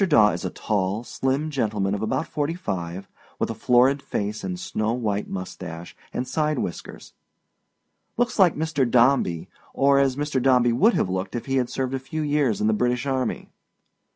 Daw is a tall, slim gentleman of about fifty five, with a florid face and snow white mustache and side whiskers. Looks like Mr. Dombey, or as Mr. Dombey would have looked if he had served a few years in the British Army.